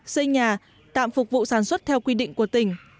xây nhà tạm phục vụ sản xuất theo quy định của tỉnh